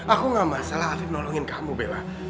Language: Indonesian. aku gak masalah afif nolongin kamu bella